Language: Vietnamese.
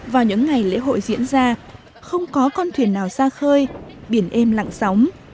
vào những ngày lễ hội diễn ra không có con thuyền nào xa khơi biển êm lặng sóng